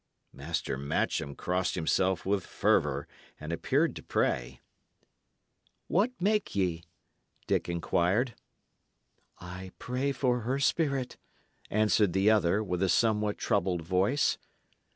Master Matcham crossed himself with fervour, and appeared to pray. "What make ye?" Dick inquired. "I pray for her spirit," answered the other, with a somewhat troubled voice.